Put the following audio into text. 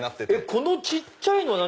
この小っちゃいのは何？